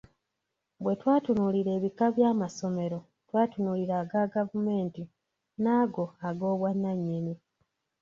Bwe twatunuulira ebika bya masomero twatunulira aga gavumenti n’ago ag’obwanannyini.